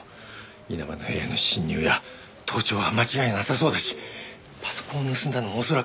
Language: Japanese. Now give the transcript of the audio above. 稲葉の部屋への侵入や盗聴は間違いなさそうだしパソコンを盗んだのも恐らく。